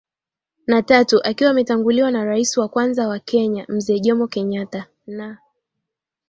na tatu akiwa ametanguliwa na Rais wa Kwanza wa KenyaMzee Jomo Kenyatta na